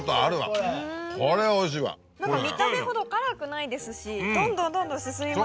見た目ほど辛くないですしどんどんどんどん進みますね。